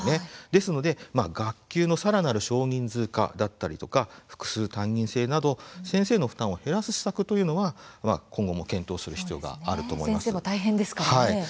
ですので、学級のさらなる少人数化だったりとか複数担任制など先生の負担を減らす施策というのは、今後も先生も大変ですからね。